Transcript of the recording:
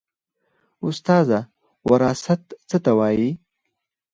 استاده وراثت څه ته وایي